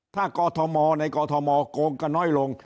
ถ้ากอทมในกอทมโกงก็น้อยลง